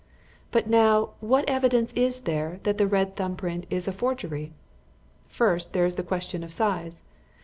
"But now what evidence is there that the red thumb print is a forgery? "First, there is the question of size.